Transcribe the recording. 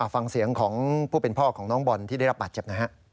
ฟังเสียงของผู้เป็นพ่อของน้องบอลที่ได้รับบาดเจ็บนะฮะ